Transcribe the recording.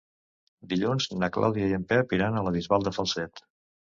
Dilluns na Clàudia i en Pep iran a la Bisbal de Falset.